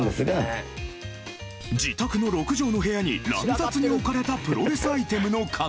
自宅の６畳の部屋に乱雑に置かれたプロレスアイテムの数